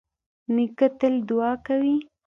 نیکه تل دعا کوي.